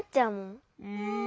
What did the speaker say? うん。